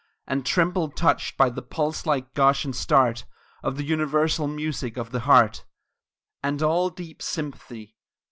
And tremble touched by the pulse like gush and start Of the universal music of the heart, And all deep sympathy.